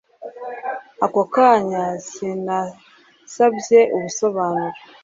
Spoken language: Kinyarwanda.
akokanya sinasabye ubusobanuro